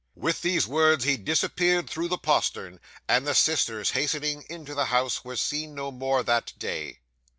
'With these words he disappeared through the postern; and the sisters hastening into the house were seen no more that day.